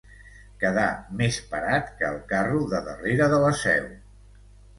Quedar més parat que el carro de darrere de la Seu.